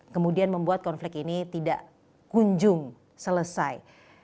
kemudian membuat konflik ini tidak kunjung selesai